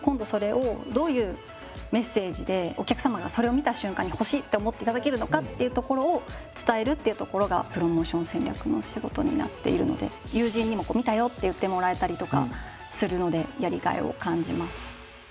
お客様がそれを見た瞬間にほしいって思っていただけるのかっていうところを伝えるっていうところがプロモーション戦略の仕事になっているので友人にも見たよって言ってもらえたりとかするのでやりがいを感じます。